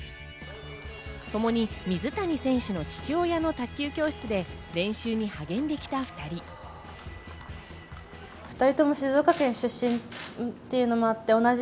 ともに水谷選手の父親の卓球教室で練習に励んできた２人。